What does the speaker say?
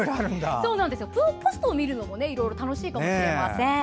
ポストを見るのもいろいろ楽しいかもしれません。